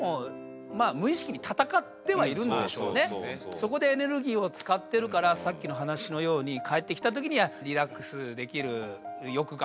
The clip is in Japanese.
そこでエネルギーを使ってるからさっきの話のように帰ってきた時にはリラックスできる「よく頑張ったな！